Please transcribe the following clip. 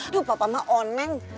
duh papa mah oneng